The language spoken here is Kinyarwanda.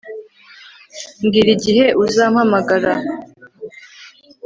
Mbwira igihe uzampamagara